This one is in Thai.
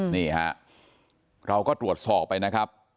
นี่ฮะเราก็ตรวจสอบไปนะครับ